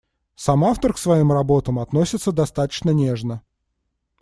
Сам автор к своим работам относится достаточно нежно.